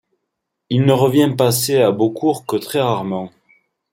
Il ne revient passer à Beaucourt que très rarement.